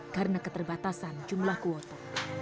karena keterbatasan jumlah kuota